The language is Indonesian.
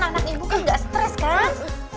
anak ibu kan gak stres kan